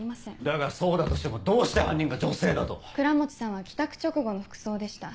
だがそうだとしてもどうして犯人が女性だと⁉倉持さんは帰宅直後の服装でした。